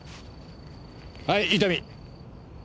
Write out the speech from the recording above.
はい伊丹。